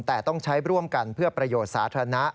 แต่ต้องใช้ร่วมกันเพื่อประโยชน์สาธารณะ